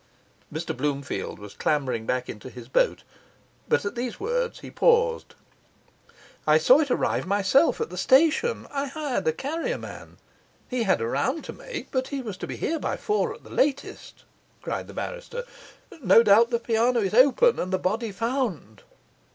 Mr Bloomfield was clambering back into his boat; but at these words he paused. 'I saw it arrive myself at the station; I hired a carrier man; he had a round to make, but he was to be here by four at the latest,' cried the barrister. 'No doubt the piano is open, and the body found.